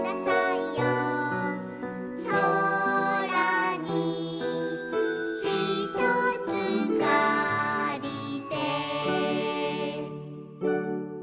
「そらにひとつかりて」